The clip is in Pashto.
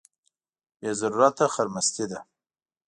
بې ضرورته خرمستي ده.